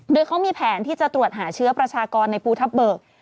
โดยเขามีแผนที่จะตรวจหาเชื้อประชากรในภูทับเบิก